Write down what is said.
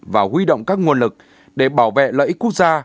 và huy động các nguồn lực để bảo vệ lợi ích quốc gia